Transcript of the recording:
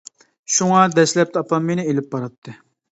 شۇڭا دەسلەپتە ئاپام مېنى ئېلىپ باراتتى.